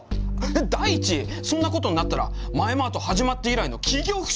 第一そんなことになったらマエマート始まって以来の企業不祥事だよ。